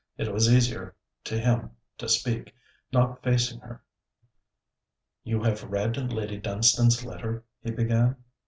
It was easier to him to speak, not facing her. 'You have read Lady Dunstane's letter,' he began.